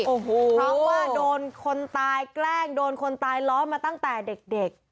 เพราะว่าโดนคนตายแกล้งโดนคนตายล้อมาตั้งแต่เด็ก